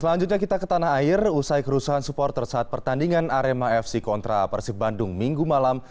selanjutnya kita ke tanah air usai kerusuhan supporter saat pertandingan arema fc kontra persib bandung minggu malam